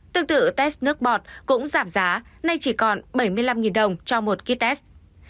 tương tự test nước bọt cũng giảm giá nay chỉ còn bảy mươi năm đồng cho một kit test